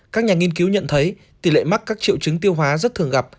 các nhà nghiên cứu nhận thấy tỷ lệ mắc các triệu chứng tiêu hóa rất thường gặp